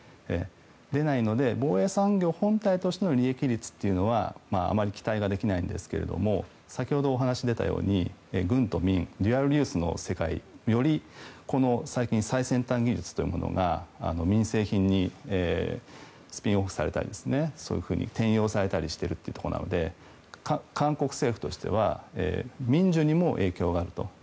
出ないので防衛産業本体としての利益率というのはあまり期待ができないんですが先ほどお話が出たように軍と民より最先端技術が民生品にスピンオフされたり転用されたりしているので韓国政府としては民需にも影響があると。